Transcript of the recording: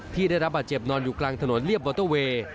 ที่ได้รับบาดเจ็บนอนอยู่กลางถนนเรียบมอเตอร์เวย์